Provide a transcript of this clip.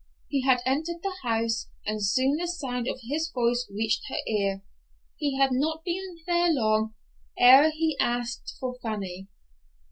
He had entered the house, and soon the sound of his voice reached her ear. He had not been there long ere he asked for Fanny.